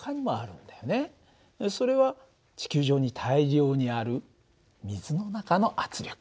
それは地球上に大量にある水の中の圧力。